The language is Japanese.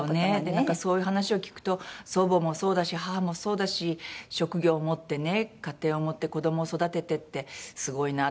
なんかそういう話を聞くと祖母もそうだし母もそうだし職業を持ってね家庭を持って子供を育ててってすごいなって。